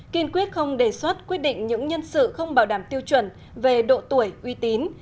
kiên quyết không đề xuất quyết định những nhân sự không bảo đảm tiêu chuẩn về độ tuổi uy tín